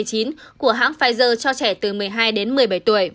của hãng pfizer cho trẻ từ một mươi hai đến một mươi bảy tuổi